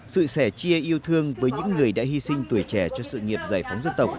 sự sẻ chia yêu thương với những người đã hy sinh tuổi trẻ cho sự nghiệp giải phóng dân tộc